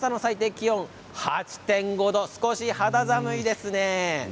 ただ朝の最低気温は８．５度少し肌寒いですね。